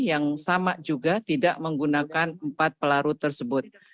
yang sama juga tidak menggunakan empat pelarut tersebut